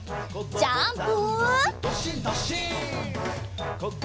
ジャンプ！